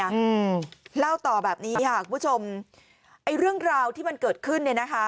อืมเล่าต่อแบบนี้ค่ะคุณผู้ชมไอ้เรื่องราวที่มันเกิดขึ้นเนี้ยนะคะ